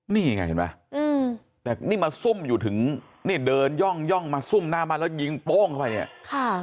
นี่ไงเห็นไหมอืมแต่นี่มาซุ่มอยู่ถึงนี่เดินย่องมาซุ่มหน้าบ้านแล้วยิงโป้งเข้าไปเนี่ยค่ะ